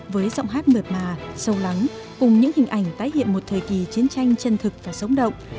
với giọng hát mượt mà sâu lắng cùng những hình ảnh tái hiện một thời kỳ chiến tranh chân thực và sống động